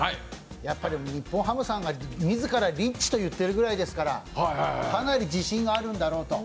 やっぱり日本ハムさんが自らリッチと言ってるぐらいですからかなり自信あるんだろうと。